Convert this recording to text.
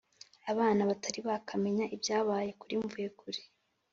'abana batari bakamenya ibyabaye kuri mvuyekure;